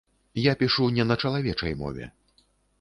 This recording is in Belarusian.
Я пішу не на чалавечай мове.